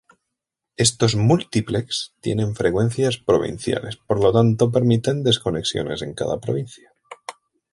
Estos múltiplex tienen frecuencias provinciales, por lo tanto, permiten desconexiones en cada provincia.